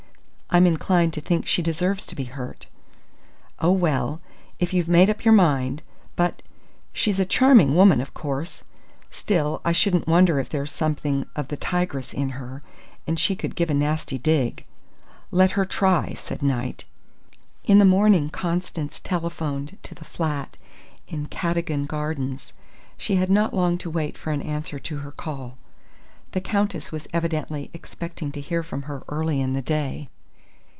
"I'm inclined to think she deserves to be hurt." "Oh, well, if you've made up your mind! But she's a charming woman, of course.... Still, I shouldn't wonder if there's something of the tigress in her, and she could give a nasty dig." "Let her try!" said Knight. In the morning Constance telephoned to the flat in Cadogan Gardens. She had not long to wait for an answer to her call. The Countess was evidently expecting to hear from her early in the day.